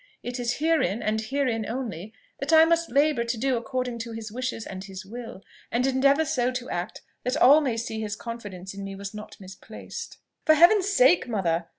It is herein, and herein only, that I must labour to do according to his wishes and his will, and endeavour so to act that all may see his confidence in me was not misplaced." "For Heaven's sake, mother!